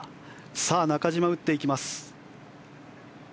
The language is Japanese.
さあ、中島が打っていきます。